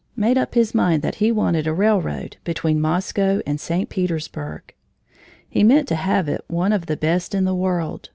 made up his mind that he wanted a railroad between Moscow and St. Petersburg. He meant to have it one of the best in the world.